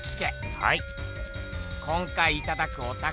はい。